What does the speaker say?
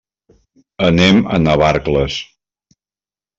Anem a Navarcles.